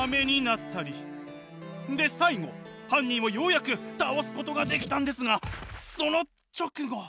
で最後犯人をようやく倒すことができたんですがその直後。